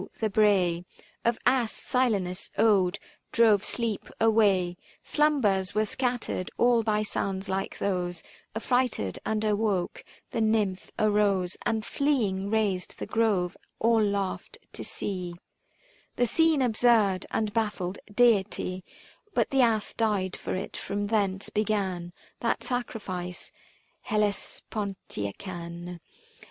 the bray Of ass, Silenus owned, drove sleep away ; 4G0 Slumbers were scattered all by sounds like those — Affrighted and awoke, the Nymph uprose And fleeing raised the grove : all laughed to see The scene absurd and baffled deity ; But the ass died for it ; from thence began 465 That sacrifice, Hellespontiacan.